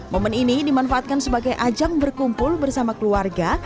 momen ini dimanfaatkan sebagai ajang berkumpul bersama keluarga